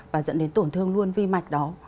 và dẫn đến tổn thương luôn vi mạch đó